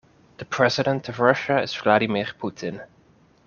The president of Russia is Vladimir Putin.